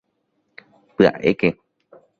¡Pya'éke!